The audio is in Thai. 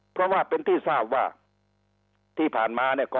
เพราะว่าเป็นที่ทราบว่าที่ผ่านมาเนี่ย